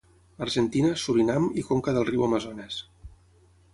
Argentina, Surinam i conca del riu Amazones.